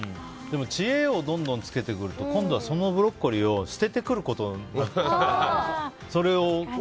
でも、知恵をどんどんつけてくると今度は、そのブロッコリーを捨ててくることも。